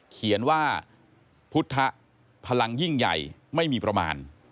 เขียนว่าพุทธพลังยิ่งใหญ่ไม่มีประมาณ